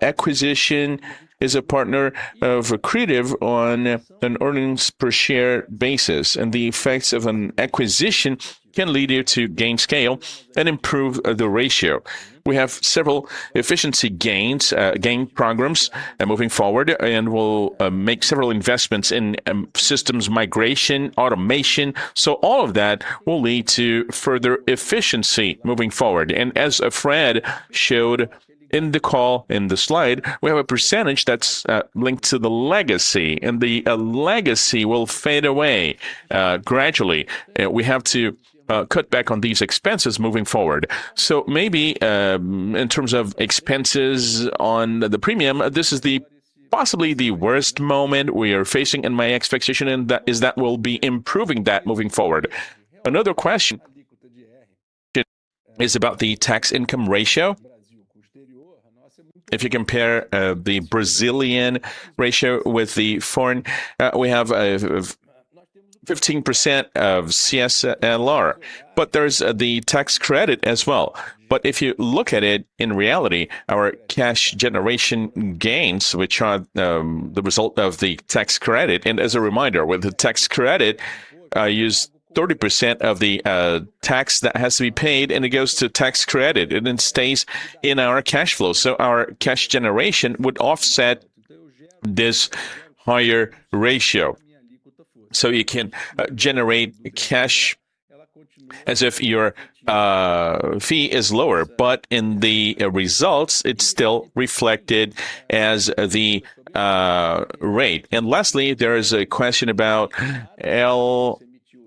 acquisition is a partner of accretive on an earnings per share basis. The effects of an acquisition can lead you to gain scale and improve the ratio. We have several efficiency gains, gain programs moving forward, and we'll make several investments in systems migration, automation. All of that will lead to further efficiency moving forward. As Fred showed in the call, in the slide, we have a percentage that's linked to the legacy, and the legacy will fade away gradually. We have to cut back on these expenses moving forward. Maybe in terms of expenses on the premium, this is possibly the worst moment we are facing in my expectation, and that is that we'll be improving that moving forward. Another question is about the tax income ratio. If you compare the Brazilian ratio with the foreign, we have 15% of CSLR, but there's the tax credit as well. If you look at it in reality, our cash generation gains, which are the result of the tax credit. As a reminder, with the tax credit, I use 30% of the tax that has to be paid, and it goes to tax credit. It then stays in our cash flow. Our cash generation would offset this higher ratio. You can generate cash as if your fee is lower, but in the results, it's still reflected as the rate. Lastly, there is a question about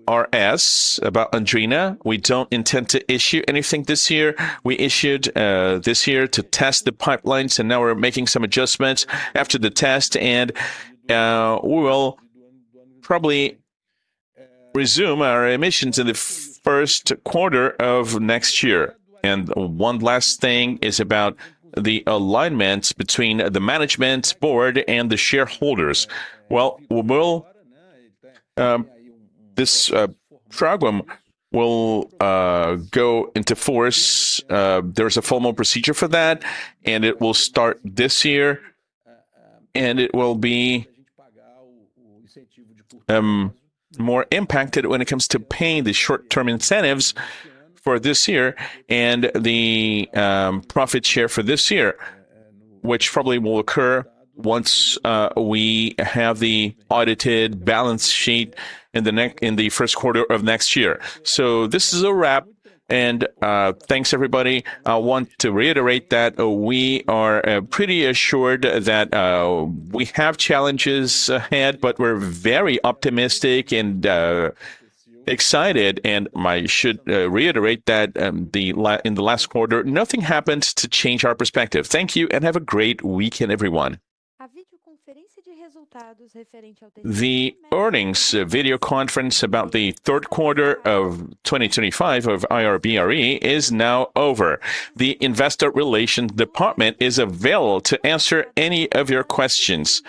LRS, about Andrina. We do not intend to issue anything this year. We issued this year to test the pipelines, and now we are making some adjustments after the test, and we will probably resume our emissions in the first quarter of next year. One last thing is about the alignment between the management board and the shareholders. This program will go into force. There is a formal procedure for that, and it will start this year, and it will be more impacted when it comes to paying the short-term incentives for this year and the profit share for this year, which probably will occur once we have the audited balance sheet in the first quarter of next year. This is a wrap, and thanks, everybody. I want to reiterate that we are pretty assured that we have challenges ahead, but we're very optimistic and excited. I should reiterate that in the last quarter, nothing happened to change our perspective. Thank you and have a great weekend, everyone. The earnings video conference about the third quarter of 2025 of IRB-RE is now over. The investor relations department is available to answer any of your questions.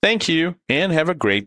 Thank you and have a great day.